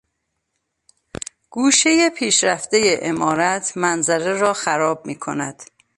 گوشهٔ پیشرفته عمارت منظره را خراب میکند.